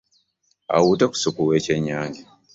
Awuute ku ssupu w'ekyennyanja.